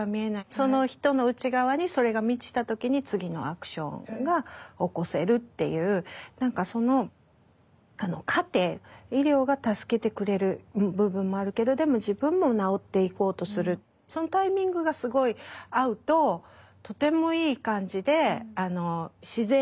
その人の内側にそれが満ちた時に次のアクションが起こせるっていう何かその過程医療が助けてくれる部分もあるけどでも自分も治っていこうとするそのタイミングがすごい合うととてもいい感じで自然に命が回復していく。